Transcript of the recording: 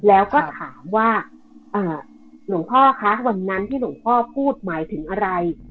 แล้วก็ถามว่าวันนั้นที่หลวงพ่อกูธหมายถึงอะไร